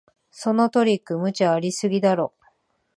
そのトリック、無茶ありすぎだろ